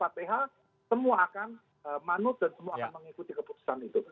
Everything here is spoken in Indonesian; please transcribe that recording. begitu sudah diputuskan dibacakan alfa ph semua akan manuf dan semua akan mengikuti keputusan itu